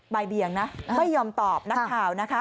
เบี่ยงนะไม่ยอมตอบนักข่าวนะคะ